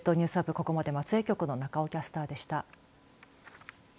ここまで松江局の中尾キャスターでした。